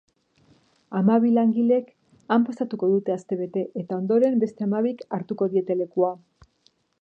Hamabi langilek han pasako dute astebete eta ondoren beste hamabik hartuko diete lekua.